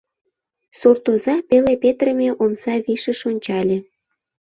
Суртоза пеле петырыме омса вишыш ончале.